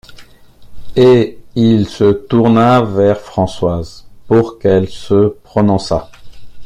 Et il se tourna vers Françoise, pour qu’elle se prononçât.